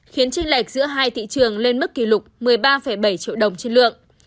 khiến tranh lệch giữa hai thị trường lên mức kỷ lục một mươi ba bảy triệu đồng trên lượng